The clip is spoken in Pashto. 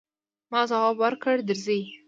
ما ځواب ورکړ، درځئ.